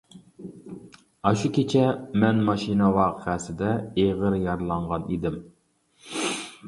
ئاشۇ كېچە مەن ماشىنا ۋەقەسىدە ئېغىر يارىلانغان ئىدىم.